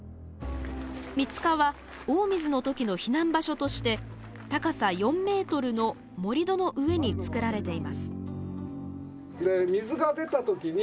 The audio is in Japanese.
水塚は大水の時の避難場所として高さ４メートルの盛り土の上に作られています。